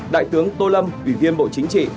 đại tướng tô lâm vị viên bộ chính trị